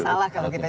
salah kalau kita